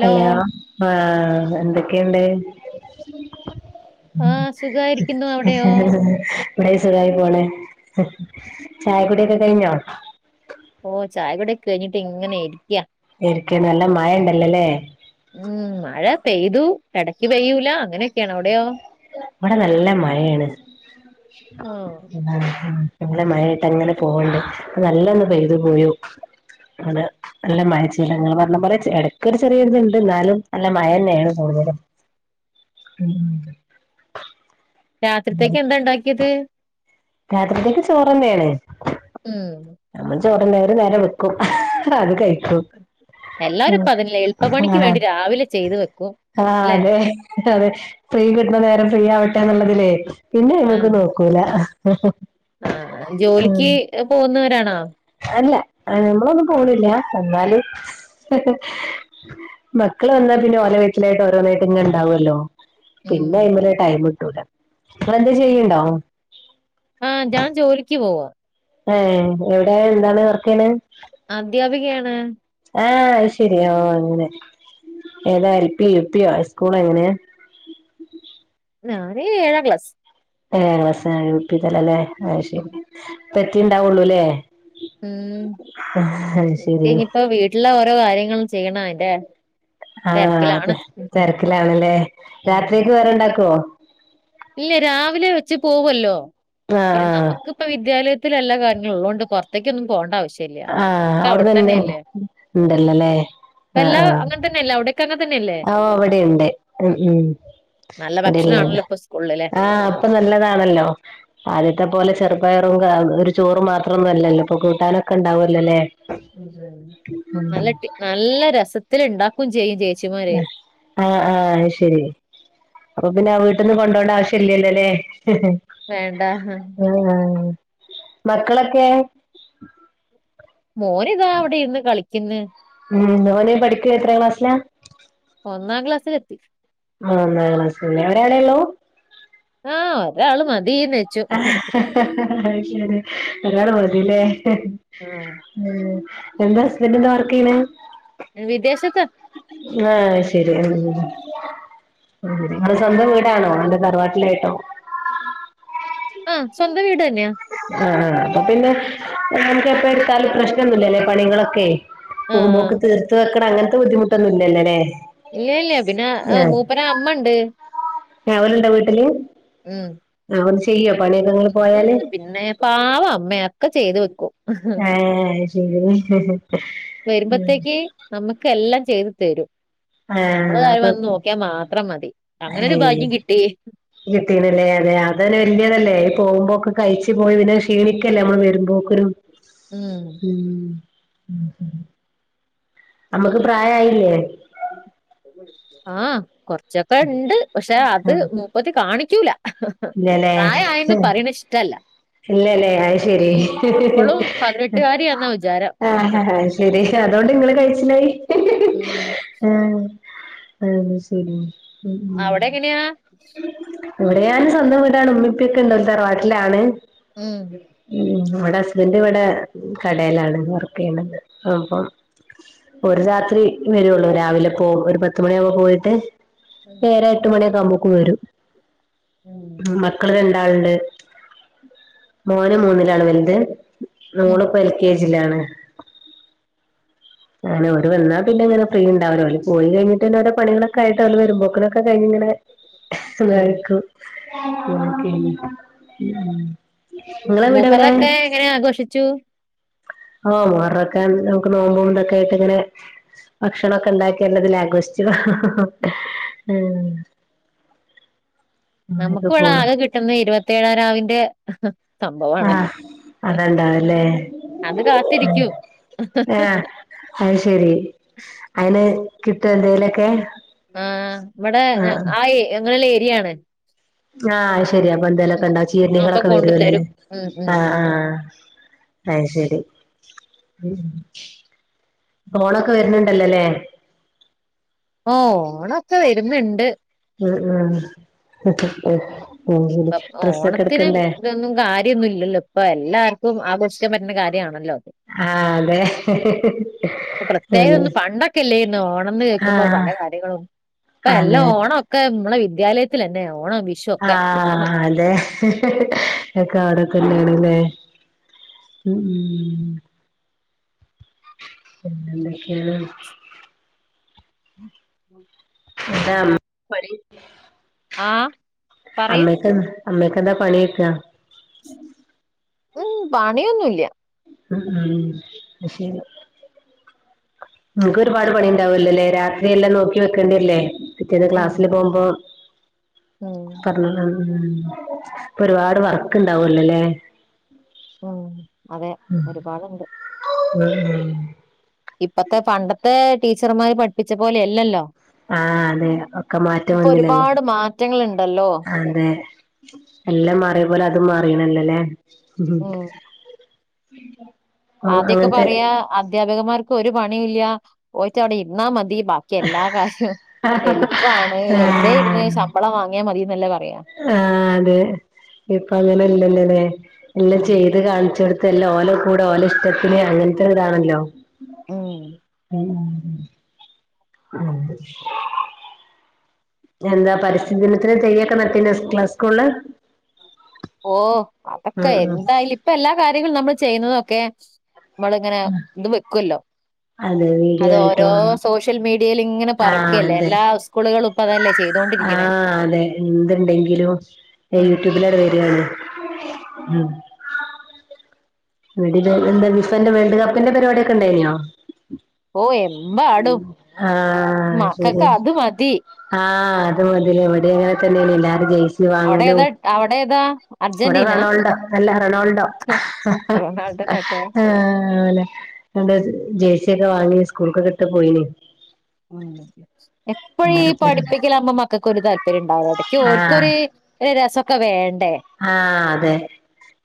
Hello ബാ എന്തൊക്കെയിണ്ട് ആ സുഖായിരിക്കുന്നു അവിടെയോ [inaudible] ഇവിടെ സുഖായി പോണേ ചായക്കുട്യൊക്കെ കഴിഞ്ഞോ? ഓ ചായ കുട്യൊക്കെ കഴിഞ്ഞിട്ട് ഇങ്ങനെ ഇരിക്ക്യ ഇരിക്ക്യേ നല്ല മഴ ണ്ടല്ലോല്ലേ ഉം മഴ പെയ്തു എടക്ക് പെയ്യൂല അങ്ങനൊക്കെയാണ് അവിടെയോ വടെ നല്ല മഴേണ് [unintelligible] ആ നല്ല ടെ മഴായ്ട്ടങ്ങനെ പോവണ്ട്. പ്പ നല്ലന്ന് പെയ്തു പോയു ആണ് നല്ല മഴച്ചീലങ്ങൾ പർഞ്ഞ പോലെ ച്ച് എട ക്കൊരു രു ചെറിയര്ത്ണ്ട്, ന്നാലും അല്ല മഴന്നേണ് ഉം. കൂടുതലും രാത്രിത്തേക്കെന്താ ണ്ടാക്കിയത് രാത്രിക്കക്ക് ചോറെന്നേണ് ഉം നമ്മൾ ചോറെന്നെ, ഒര് നേരം വെക്കും അത് കയ് ഉം എല്ലാരും ഇപ്പൊ അതിനില്ല എളുപ്പപ്പണിക്ക് ആഹ് വേണ്ടി രാവിലെ ചെയ്തു വെക്കും ആഹ് അല്ലേ അതെ അതെ ഫ്രീ കിട്ടുന്ന നേരം ഫ്രീ ആവട്ടെന്ന്ള്ളതിലേ പിന്നയ്മക്ക് നോക്കൂല ആഹ് ഉം ജോലിക്ക് പോവുന്ന അല്ല ഏഹ് നമ്മളൊന്നും പോണില്ല, എന്നാല്. മക്കള് വന്നാ പിന്നെ ഓലവേകിലായിട്ട് ഓരോന്നായിട്ടങ്ങ ണ്ടാവല്ലോ. ഉം പിന്നയ്മല് ടൈമ്ട്ടൂല, ങ്ങളെന്തേം ചെയ്യ്ണ്ടോ. ആഹ് ഞാൻ ജോലിക്ക് പോവാ. ഏഹ് എവിടെ എന്താണ് വർക്കെയ്യ്ണ്. അദ്ധ്യാപികയാണ്. ആഹ് ശെരി ഓഹ് അങ്ങനെ ഏതാ എൽപി യുപ്യോ ഐ സ്കൂളൊ എങ്ങനേ. ഞാന് ഏഴാം ക്ലാസ്. ഏഹ് [unintelligible] യൂപ്പിതലല്ലേ ഉം അയ്ശെരി പ്പെത്തീണ്ടാവൊള്ളൂലേ. ഉം ശെരി എത്തിഞ്ഞിപ്പോ വീട്ടിലെ ഓരോ കാര്യങ്ങള് ചെയ്യണം അയ്ന്റെ. ആഹ് അതെ തെര്ക്ക്ലാവുംലേ, രാത്രികക്ക് വേറെണ്ടാക്കോ? ല്ലെ രാവിലെ വെച്ച് പോവല്ലോ പിന്നെ ആഹ് നമുക്ക്പ്പൊ വിദ്യാലയ് ത്തിലല്ലെകഞിഉള്ളോണ്ട് പൊർത്ത്ക്കൊന്നും പോണ്ട ആവശ്യല്ല. ല്ലാ, ആഹ് ആഹ് അവിടെ തന്നെ ഒക്കവിടെതന്നെയല്ലേ ഉം ഉണ്ടല്ലോല്ലേ ആഹ് പ്പെല്ലാ അങ്ങൻതന്നല്ലേ അവ്ടെ ക്ക അങ്ങൻതന്നെയല്ലേ ആഹ് ഓ ഇവിടെയുണ്ട് ഉം ഉം ഇവിടെല്ലാണ്ട് നല്ലഭക്ഷണാണല്ലോ പ്പൊ സ്കൂൾ ല് ല്ലേ. ആഹ് പ്പ നല്ലതാണല്ലോ. ആദ്യത്തെ പോലെ ചെറ്പയറും ക ഒരു ചോറും മാത്രംന്നും അല്ലല്ലോ ഇപ്പൊ കൂട്ടാനൊക്കെണ്ടാവല്ലോലേ. നല്ല ടേ നല്ല രസത്തില്ണ്ടാക്കും ചെയ്യും ചേ ഉം ആഹ് ആഹ് അയ്ശെരി അപ്പൊ പിന്നെ വീട്ട്ന്ന് കൊണ്ടോണ്ടാവിശ്യല്ലല്ലോലേ. വേണ്ടാ. ആഹ് ആഹ് മക്കളൊക്കെ. മോനിതാ അവിടിര്ന്ന് കളിക്ക്ന്ന്. ഉം, മോന് പഠിക്കാ എത്രാം ക്ലാസ്സിലാ? ഒന്നാം ക്ലാസ്സിലെത്തി. ആഹ് ഒന്നാംക്ലാസില് ലേ, ഒരാളള്ളൂ? ആഹ് ഒരാള് മതീന്ന്. വെച്ചു അയ്ശെരി ഒരാള് മതീല്ലേ. ആഹ് ഉം എന്താ ഹസ്ബന്റെന്താ വർക്കെയ്യ്ണ് വിദേശത്താ. ആഹ് ശെരി. ങ്ങള് സ്വന്തം വീടാണോ അതൊ തറവാട്ടിലായ്ട്ടോ. ആഹ് സ്വന്തം വീടെന്നെയാ. ആഹ് ആഹ് അപ്പൊ പിന്നെ നമുക്ക് എപ്പട്ത്താലും പ്രശ്നൊന്നുല്ലല്ലോ. പണികളൊക്കെ. പോകുമ്പോ ആഹ് ഒക്കെ തീർത്ത് വെക്കണം അങ്ങൻത്തെ ബുദ്ധിമുട്ടൊന്നും ഇല്ലല്ലലേ. ഇല്ലല്ല പിന്നെഅ് മൂപ്പരെഅമ്മണ്ട്. അവന്ണ്ടാ വീട്ട്ല്. ഉം. ഓൻ ചെയ്യോ പണിയൊക്കെങ്ങള് പോയാല്. ഉം, പിന്നെ പാവം അമ്മയാ ഒക്കെ ചെയ്ത് വെക്കും. ആഹ് ശരി. വരുമ്പൊത്തേക്ക് നമുക്ക് എല്ലാം ചെയ്ത് തരും നമ്മള ആഹ് കാര്യം വന്ന് അപ്പൊ നോക്ക്യാമാത്രം മതി അങ്ങനെ ഒരു ഭാഗ്യം കിട്ടി. കിട്ടീണല്ലേ, അതെ അതന്നെ വല്യതല്ലേ, ഈ പോകുമ്പൊക്കെ കയ്ച്ച് പോയി പിന്നെ ക്ഷീണിക്കല്ലേ നമ്മള് വരുമ്പോ. [unintelligible] ഉം ഉം ഉം. അമ്മക്ക് പ്രായായില്ലേ? ആഹ് കൊർച്ചൊക്കെണ്ട്. പക്ഷെ അത് നോ മൂപ്പത്തി കാണിക്കൂല ഇല്ലാല്ലേ പ്രായമായെന്ന് പറയണ ഇഷ്ടല്ല ഇല്ലല്ലേ അയ് ശരി ഉം. ഇപ്പോഴും പതിനെട്ടുകാരി എന്നാ വിചാരം ആഹഹ അതോണ്ട് നിങ്ങള് കയിച്ചിലായി ആഹ് ഉം അത് ശരി ഉം അവിടെ എങ്ങനെയാ ഇവിടെ ഞാൻ സ്വന്തം വീടാണ് ഉമ്മിപ്പിയൊക്കെ ഉണ്ട് തറവാട്ടിലാണ് ഉം ഇവിടെ ഹസ്ബൻഡ് ഇവിടെ കടേലാണ് വർക്ക് ചെയ്യുന്നത് അപ്പൊ ഒരു രാത്രി വരുള്ളൂ രാവിലെ പോ ഒരു പത്ത് മണിയാകുമ്പോ പോയിട്ട് ഏഴ് എട്ട്മണിയൊക്കെ ആകുമ്പോക്ക് വരും ഉം മക്കള് രണ്ടാളുണ്ട് മോൻ മൂന്നില് ആണ് വലുത് ഉം മോളിപ്പ എൽ കെ ജി ജിലാണ് അങ്ങനെ അവര് വന്നാ പിന്നെ ഇങ്ങനെ ഫ്രീ ഉണ്ടാവില്ല അവര് പോയി കഴിഞ്ഞിട്ട് പിന്നെ ഓരോ പണികളക്കെ ആയിട്ട് അവര് വരുമ്പോക്കൊക്കെ കഴിഞ്ഞ് ഇങ്ങനെ ഉം [unintelligible] മുഹറൊക്കെ എങ്ങനെ ആഘോഷിച്ചു ഓ മുഹറൊക്കെ നമുക്ക് നോമ്പും ഇതൊക്കെ ആയിട്ട് ഇങ്ങനെ ഭക്ഷണൊക്കെ ഉണ്ടാക്കി ഇള്ളതിൽ ആഘോഷിച്ചു ഉം [inaudible] നമുക്ക് ഇവടെ പോണു ആകെ കിട്ടുന്നേ ഇരുപത്തേഴാം രാവിന്റെ സംഭവമാണ് ആഹ് അടണ്ടാവല്ലേ അത് കാത്തിരിക്കും ഹേ അത് ശരി അതിന് കിട്ടുവോ എന്തെലൊക്കെ ആ ഇവടെ ആ ഏ അങ്ങനെ ഉള്ള ഏരിയാണ് ആ ശരിയാപ്പൊ എന്തേലൊക്കെ അപ്പൊ ഉണ്ടാവും [unintelligible] കൊണ്ടു വരുവല്ലേ തരും ഉം ഉം ആ അത് ശരി ഓണൊക്കെ വരുന്നുണ്ടല്ലോല്ലേ ഓ ഓണൊക്കെ വരുന്നുണ്ട് ഉം ഉം ശരി ഇപ്പം ഡ്രസ്സൊക്കെ ഓണത്തിന് എടുക്കണ്ടേ ഇതൊന്നും കാര്യ ന്നും ഇല്ലല്ലോ ഇപ്പൊ എല്ലാർക്കും ആഘോഷിക്കാൻ പറ്റുന്ന കാര്യാണല്ലോ ആഹ് അതെ ഇപ്പൊ പ്രത്യേകത അതെ ഒന്ന് പണ്ടൊക്കെ അല്ലേര്ന്നൊ ഓണംന്ന് കേൾക്കുമ്പോ ആഹ് പല കാര്യങ്ങളും ഇപ്പൊ എല്ലാം അതെ ഓണം ക്കെ നമ്മളെ വിദ്യാലയത്തിലല്ലേ ഓണം വിഷു ആ ഒക്കെ ഉം. ല്ലേ ഒക്കെ അവിടെ തന്നേണ്ല്ലേ ഉം ഉം എന്തൊക്കെയാ [inaudible] [inaudible] പണി ആ പറയൂ അമ്മക്കെന്താ അമ്മക്ക് എന്താ പണി ചോദിക്കാ ഉം പണിയൊന്നും ഇല്ല ഉം ഉം അത് ശരി നിനക്ക് ഒരുപാട് പണി ഉണ്ടാവുല്ലല്ലേ രാത്രി എല്ലാം നോക്കി വെക്കേണ്ടല്ലേ പിറ്റേന്ന് ഉം ക്ലാസ്സില് പോകുമ്പോ ഉം പറഞ്ഞതാണ് ളം ഇപ്പൊ ഒരുപാട് വർക്ക് ഉണ്ടാവുല്ലൊലേ ഉം അതെ ഒരുപാടുണ്ട് ഉം ഉം ഇപ്പത്തെ പണ്ടത്തെ ടീച്ചർമാര് പഠിപ്പിച്ച പോലെ അല്ലല്ലോ ആ അതെ ഒക്കെ മാറ്റം വന്നില്ലല്ലേ ഒരുപാട് മാറ്റങ്ങളുണ്ടല്ലോ അതെ എല്ലാം മാറിയപോലെ അതും മാറീണല്ലല്ലേ ഉം ആദ്യ ഒക്കെ പറയാ അധ്യാപകന്മാർക്ക് ഒരു പണിയും ഇല്ല പോയിട്ട് അവിടെ ഇരുന്നാ മതി ക്ക് എല്ലാ കാര്യവും എളുപ്പമാണ് വെറുതെ ഇരുന്ന് ആഹ് ശമ്പളം വാങ്ങിയ മതിന്നല്ലേ പറയാ ആഹ് അതെ ഇപ്പ അങ്ങനെ ഇല്ലല്ലല്ലേ എല്ലാം ഉം ചെയ്ത് കാണിച്ചടു ഇല്ല ഓലെ കൂടെ ഓലെ ഇഷ്ടത്തിന് അങ്ങൻത്തെ ഇതാണല്ലോ ഉം ഉം എന്താ പരിസ്ഥി ദിനത്തിന് തെയ്യൊക്കെ നട്ടീനോ ക്ലാ സ്കൂളില് ഓ അതൊക്കെ ഉം ഉം എന്താല് ഇപ്പൊ എല്ലാ കാര്യങ്ങളും നമ്മൾ ചെയ്യുന്നതൊക്കെ നമ്മളിങ്ങനെ ഇത് വെക്കല്ലോ അതെ വീഡിയോ അത് ആയിട്ട് ഓരോ വേണം സോ സോഷ്യൽ മീഡിയയിൽ ഇങ്ങനെ ആഹ് പറക്കുകല്ല അതെ എല്ലാ സ്കൂളുകളും ഇപ്പ അതല്ലേ ചെയ്തുകൊണ്ടിരിക്കണേ ആ അതെ എന്തുണ്ടെങ്കിലും ഉം യൂട്യൂബിലട് വരാണ് വടി എന്താ വിഫന്റെ വേൾഡ് കപ്പിന്റെ പരിപാടിയൊക്കെ ഉണ്ടായിനോ ഓ എമ്പാടും ആഹ് ശെരി മക്കൾക്ക് അത് മതി ആഹ് അത് മുതലേ ഇവിടേം അങ്ങനതന്നെയ എല്ലാരും ചെയി അവിടെ വാങ്ങലൂ ഏതാ അവിടെ ഏതാ ഇവിടെ അർജന്റീന റൊണാൾഡോ നല്ല റൊണാൾഡോ റൊണാൾഡോനൊക്കെ ആ അവനെ അവൻ ജേഴ്സിയൊക്കെ വാങ്ങി സ്കൂൾക്കകിട്ട് പോയീന് ഉം എപ്പൊഴീ പഠിപ്പിക്കലാവുംമ്പോ മക്കക്കൊരു താല്പര്യം ഉണ്ടാവ എടക്ക് ആഹ് ഓർക്കൊരു ഒരു രസൊക്കെ വേണ്ടേ ആഹ് അതെ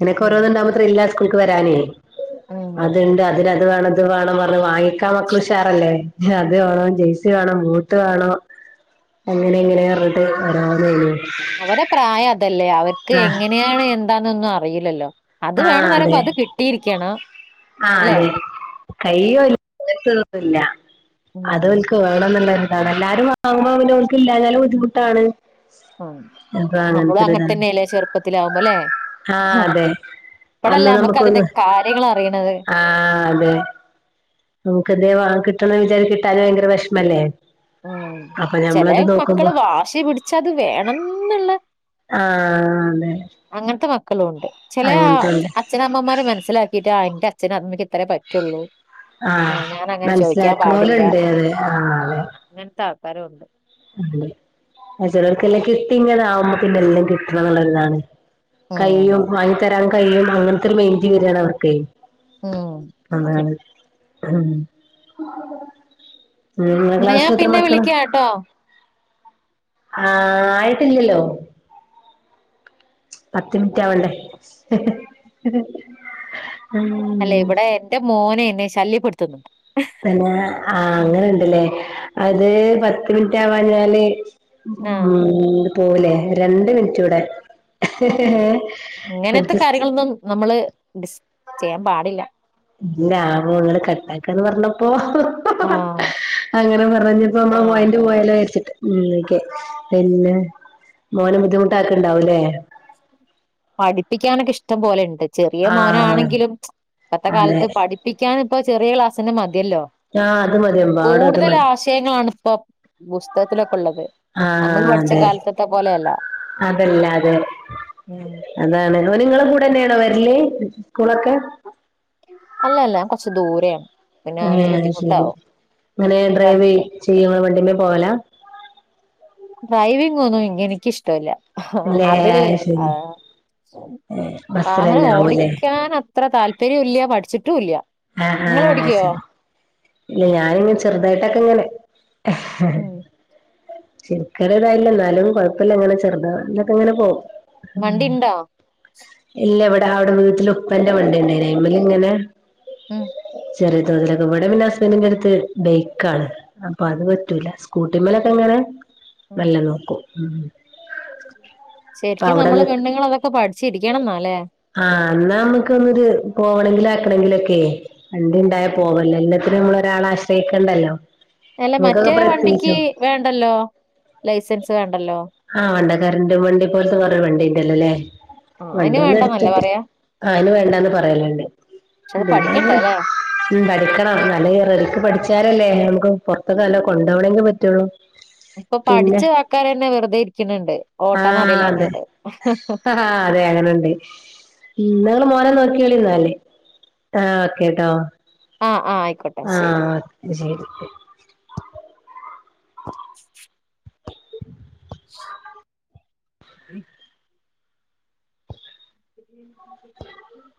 നിനക്ക് ഉം ഓരോന്നിണ്ടാവുമ്പോ ത്രില്ലാ സ്കൂൾക്ക് വരാനേ ഉം അത് അത് രണ്ട് വേണം ഇത് വേണം പർഞ്ഞ് വാങ്ങിക്കാ മക്കുഷാറല്ലേ അത് വേണോം ജേഴ്സി വേണോം ബൂട്ട് വേണോ അങ്ങനെ ഇങ്ങനെയാന്ന് അ രാവിലെ എനീ പ്രായതല്ലേ അവർക്ക് എങ്ങനെയാണ് എന്താന്നൊന്നും അറിയില്ലല്ലോ അത് ആഹ് വേണംന്ന് പറയ്മ്പോ അതെ അത് കിട്ട് ട്ടീരിക്കണം ആഹ് അതെ കയ്യോല്ലത്ത്ന്നുമല്ല ഉം അത് ഓൽക്ക് വേണംന്നുളള അത് എല്ലാരും വാങ്ങുമ്പോ അവനവർക്ക് ഇല്ലാന്നാലും ബുദ്ധിമുട്ടാണ് ഉം അപ്പൊ നമ്മളും അങ്ങന അങ്ങനത്തൊരിതാണ് തന്നല്ലേ ചെറുപ്പത്തിലാവുംമ്പല്ലേ ആഹ് അതെ ഇപ്പോഴല്ലേ അന്ന് നമ്മക്ക് അതിന്റെ നമുക്കൊന്ന് കാര്യങ്ങളറിയണത് ആഹ് നമുക്ക് എന്തേ വാങ്ങി കിട്ടണംന്ന് വിചാരിച്ച് കിട്ടാതായ ഭയങ്കര വെഷ്മല്ലേ ഉം ചെല മക്കള് വാശി പിടിച്ചത് വേണംന്ന്ള്ള ആഹ് അതെ അങ്ങനത്തെ മക്കളൊണ്ട് ചെലാ അങ്ങനത്തെണ്ട് അച്ഛനമ്മമാരെ മനസ്സിലാക്കീട്ട് ആ എന്റെ അച്ഛനമ്മെക്ക് ഇത്രേ പറ്റുള്ളൂ ആ ആഹ് ഞാൻ അങ്ങനെ ചോദിക്കാൻ പാടില്ല മനസിലാക്കണോലൊണ്ട് അത് ആ അങ്ങനത്തെ ആൾക്കാരൊണ്ട് അ അ ചെലൾക്കെല്ലാം കിട്ടീങനാവുംമ്പോ പിന്നെ എല്ലാം കിട്ടണംന്നുള്ളതാണ് ഉം കയ്യും വാങ്ങി തെരാൻ കഴിയും അങ്ങനത്തൊരു മൈൻഡു വെരാണവർക്ക് ഉം അങ്ങനെ അതെ നിങ്ങളെ ക്ലാസ്സിൽ എത്ര മക്കള് ഹട്ടോ ആ ആയിട്ടില്ലല്ലോ പത്ത് മിനിറ്റാവണ്ടേ അല്ലേ ഇവിടെ എന്റെ മോനെ എന്നെ ശല്യപ്പെടുത്തും പിന്നെ ആ അങ്ങനുണ്ടല്ലേ അത് പത്ത് മിനിറ്റാവാഞ്ഞാല് ആ ഉം പോവലേ രണ്ട് മിനിറ്റൂടെ ഉം ഇങ്ങനത്തെ കാര്യങ്ങളൊന്നും നമ്മള് ഡിസ് ചെയ്യാൻ പാടില്ല ഇല്ല ആ മോള് കട്ടാക്കാന്ന് പറഞ്ഞപ്പോ ആ അങ്ങനെ പറഞ്ഞപ്പോ നമ്മള പോയിന്റ് പോയാലോ ആ വിചാരിച്ചിട്ട് ഉം ഓക്കെ പിന്നെ മോനും ബുദ്ധിമുട്ടാക്കീണ്ടാവൂലേ പഠിപ്പിക്കാനൊക്കെ ഇഷ്ടം പോലിണ്ട് ചെറിയ ആഹ് മോനാണെങ്കിലും ഇപ്പത്തെ അതെ കാലത്ത് പഠി ക്കാൻ ഇപ്പ ചെറിയ ക്ലാസിന്ന മതിയല്ലോ ആഹ് അത് മതി എമ്പാടും അത് കൂടുതൽ മതി ആശ വിഷയങ്ങളാണിപ്പോ പുസ്തകത്തിലൊക്കെ ഉള്ളത് നമ്മൾ പഠിച്ച കാലത്തത്തെ പോലെയല്ല അതല്ലാ അതെ ഉം അതാണ് ഓന് നിങ്ങള കൂടന്നെയാണോ വെരല് സ്കൂളൊക്കെ അല്ലല്ല കൊർച്ച് ദൂരെയാണ് പിന്നെ അവന് ഏഹ് അത് ശരി ബുദ്ധിമുട്ടാവും എങ്ങനെ ഇവിടെ ഡ്രൈവെ അടുത്ത ചെയ്യോ ഇങ്ങളാ വണ്ടിമ്മേ പോവലാ ഡ്രൈവിങ്ങൊന്നും എനിക്കിഷ്ടവല്ല അല്ലേ അതില് അത് ശരി ആഹ് വാഹനം ബസ്സിലെന്നെ ആവുല്ലേ ഓടിക്കാൻ അ ത്ര താല്പര്യം ഇല്ല പഠിച്ചിട്ടും ഇല്ല ആഹ് നിങ്ങൾ ആഹ് ഓടിക്കോ അയ്ശരി ഇല്ല ഞാനിങ്ങെ ചെറുതായിട്ടൊക്കെ ഇങ്ങനെ ആഹ [inaudible] ഉം ശെരിക്കൊരു ഇതായില്ല എന്നാലും കൊഴപ്പ്ല്ല ഇങ്ങനെ ചെറുതായിട്ടൊക്കങ്ങനെ പോകും ഉം വണ്ടി ഉണ്ടോ ഇല്ല ഇവിടെ അവിടെ വീട്ടിൽ ഉപ്പന്റെ വണ്ടി ഇണ്ടായിനി അയ്മല്ങ്ങനെ ഉം ചെറിയ തോതിലൊക്കെ ഇവിടെ പിന്നെ ഹസ്ബന്റിന്റെ അട്ത്ത് ബേക്കാണ് അപ്പൊ അത് പറ്റൂല സ്കൂട്ടിമ്മലൊക്കെ ഇങ്ങനെ ഉം മെല്ലെ നോക്കും ഉം അപ്പൊ ശരിക്കും അവിടെ നമ്മള് പെണ്ണ്ങ്ങൾ അതൊക്കെ പഠിച്ചിരിക്കണം ന്നാല്ലേ ആഹ് എന്നാ നമ്മുക്ക് ഒന്നൊരു പോണെങ്കിലും ആക്കണെങ്കിലും ഒക്കെ വണ്ടി ഉം ഇണ്ടായ പോവല്ലോ എല്ലാത്തിനും നമ്മൾ ഒരാളെ ആശ്രയിക്കണ്ടല്ലോ അല്ല ഇങ്ങക്കൊക്കെ മറ്റേ വണ്ടിക്ക് പ്രത്യേകിച്ചു വേണ്ടല്ലോ ലൈസൻസ് വേണ്ടല്ലോ ആഹ് ഉണ്ടെ കരന്റും വണ്ടി പോൽത്തെ കൊറേ വണ്ടീണ്ടല്ലോലേ ആ വണ്ടി അയിന് വേണ്ടന്നല്ലേ ഒന്നെട്ത്തിട്ട് പറയാ ആഹ് അയിന് വേണ്ടാന്ന് പറയല്ണ്ട് പക്ഷെ അത് പഠിക്കണ്ടേ പിന്നെ അല്ലേ ഉം പഠിക്കണം നല്ല റെടിക്ക് പഠിച്ചാലല്ലേ നമുക്ക് പൊറ്ത്തൊക്കെ നല്ലോ കൊണ്ടോവണെങ്കിൽ പറ്റൊള്ളൂ ഇപ്പൊ പഠിച്ച ആൾക്കാരെന്നെ വെറ്തെ ഇരിക്ക്ണ്ണ്ട് ഓട്ടാൻ ആഹ് അറീല്ല അതെ പറഞ്ഞിട്ട് ആഹ് അതെ അങ്ങനുണ്ട് ഇന്നാങ്ങള് മോനെ നോക്കിയളിന്നാല് ആഹ് ഓക്കെ ട്ടോ ആ ആ ആയിക്കോട്ടെ ശരി ആഹ് അത്ശരി [inaudible] [inaudible] [inaudible] [inaudible]